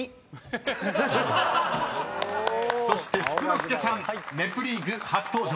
［そして福之助さん『ネプリーグ』初登場です］